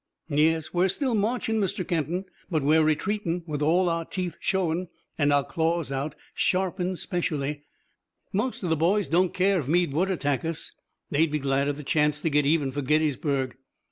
Yes, we're still marchin', Mr. Kenton, but we're retreatin' with all our teeth showin' an' our claws out, sharpened specially. Most of the boys don't care if Meade would attack us. They'd be glad of the chance to get even for Gettysburg."